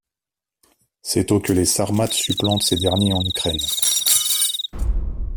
C'est aux que les Sarmates supplantent ces derniers en Ukraine.